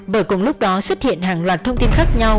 bởi cùng lúc đó xuất hiện hàng loạt thông tin khác nhau